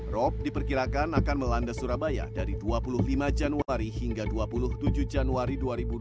rop diperkirakan akan melanda surabaya dari dua puluh lima januari hingga dua puluh tujuh januari dua ribu dua puluh empat